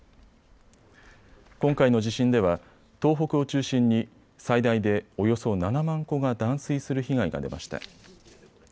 今回の地震では東北を中心に最大でおよそ７万戸が断水する被害が出ました。